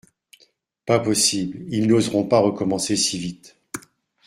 Pas possible, ils n'oseront pas recommencer si vite.